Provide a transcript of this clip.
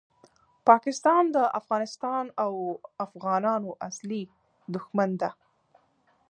پاکستان دافغانستان او افغانانو ازلي دښمن ده